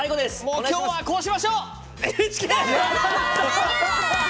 今日は、こうしましょう！